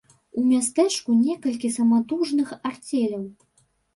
У мястэчку некалькі саматужных арцеляў.